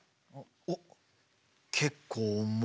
おっ結構重い。